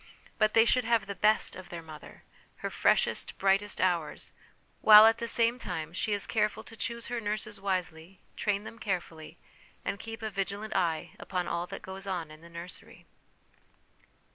But they should have the best of their mother, her freshest, brightest hours ; while, at the same time, she is careful to choose her nurses wisely, train them carefully, and keep a vigilant eye upon all that goes on in the nursery.